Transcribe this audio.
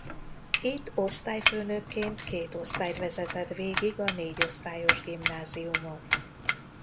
Itt osztályfőnökként két osztályt vezetett végig a négyosztályos gimnáziumon.